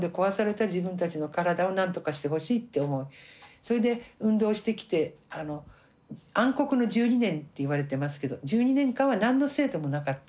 それで運動してきて暗黒の１２年って言われてますけど１２年間は何の制度もなかった。